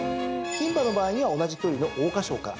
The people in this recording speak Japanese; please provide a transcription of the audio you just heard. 牝馬の場合には同じ距離の桜花賞から。